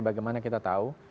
bagaimana kita tahu